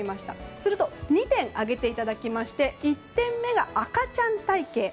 すると２点挙げていただきまして１点目が、赤ちゃん体形。